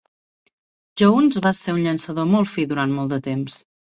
Jones va ser un llançador molt fi durant molt de temps.